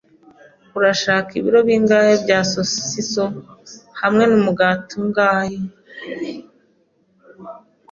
Urashaka ibiro bingahe bya sosiso, hamwe numugati angahe?